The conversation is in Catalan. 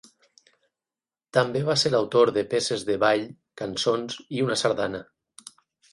També va ser autor de peces de ball, cançons i una sardana.